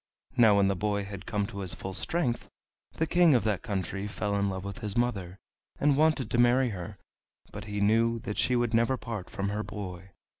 Now when the boy had come to his full strength the King of that country fell in love with his mother, and wanted to marry her, but he knew that she would never part from her boy.